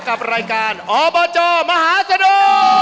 กับรายการอบจมหาสนุก